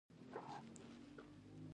د موضوع دقیق درک اسانه کوي.